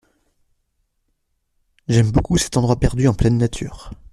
J’aime beaucoup cet endroit perdu en pleine nature.